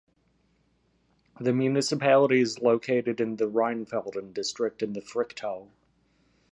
The municipality is located in the Rheinfelden district, in the "Fricktal".